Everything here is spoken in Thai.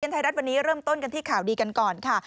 ไทยรัฐวันนี้เริ่มต้นกันที่ข่าวดีกันก่อนค่ะ